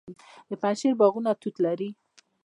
د پنجشیر باغونه توت لري.